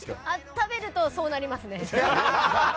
食べるとそうなりますね。